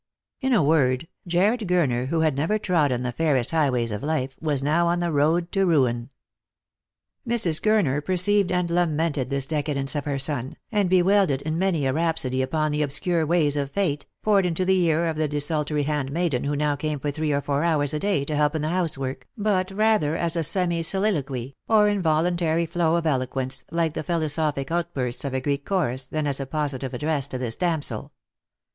In a word, Jarred Gurner, who had never trodden the fairest high ways of life, was now on the road to ruin. Mrs. Gurner perceived and lamented this decadence of her son, and bewailed it in many a rhapsody upon the obscure ways of Fate, poured into the ear of the desultory handmaiden who now came for three or four hours a day to help in the house work, but rather as a semi soliloquy, or involuntary flow of eloquence, like the philosophic outbursts of a Greek Chorus, than as a positive address to this damsel.